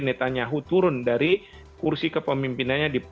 netanyahu turun dari kursi kepemimpinannya